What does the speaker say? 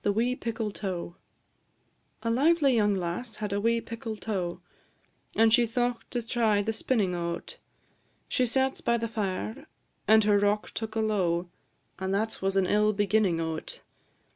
A lively young lass had a wee pickle tow, And she thought to try the spinnin' o't; She sat by the fire, and her rock took alow, And that was an ill beginnin' o't.